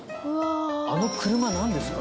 あの車何ですか。